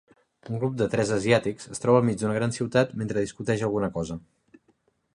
Un grup de tres asiàtics es troba al mig d'una gran ciutat mentre discuteix alguna cosa.